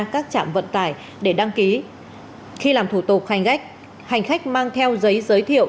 các trạm vận tải để đăng ký khi làm thủ tục hành khách hành khách mang theo giấy giới thiệu